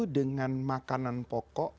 dengan makanan pokok